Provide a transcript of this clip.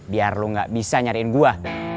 biar lu gak bisa nyariin buah